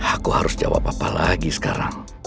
aku harus jawab apa lagi sekarang